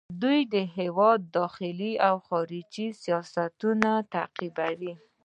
دوی د هیواد داخلي او خارجي سیاست تطبیقوي.